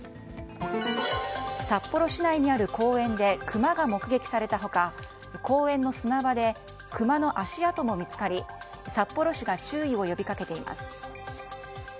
札幌市内にある公園でクマが目撃された他公園の砂場でクマの足跡も見つかり札幌市が注意を呼びかけています。